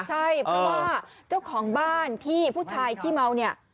ใช่เพราะว่าเจ้าของบ้านที่ผู้ชายขี้เมาเนี่ย